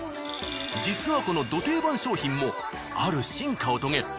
実はこのド定番商品もある進化を遂げ